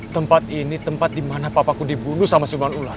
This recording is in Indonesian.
tempat ini tempat dimana papaku dibunuh sama siluman ular